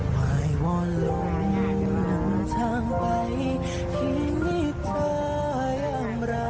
ไหวว่าลมหนึ่งทางไปที่เธอยังรัก